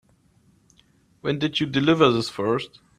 When did you deliver this first?